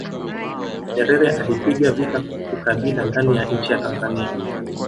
nyerere alipiga vita ukabila ndani ya nchi ya tanzania